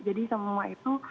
jadi semua itu